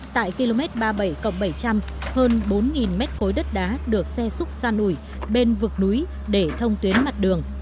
tại km ba mươi bảy cộng bảy trăm linh hơn bốn m ba đất đá được xe xúc xa nủi bên vực núi để thông tuyến mặt đường